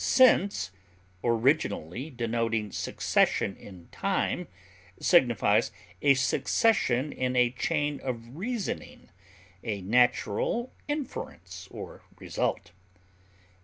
Since, originally denoting succession in time, signifies a succession in a chain of reasoning, a natural inference or result.